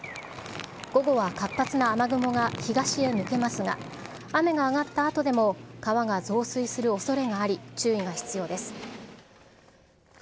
午後は活発な雨雲が東へ抜けますが、雨が上がったあとでも川が増水するおそれがあり、注意が必要です。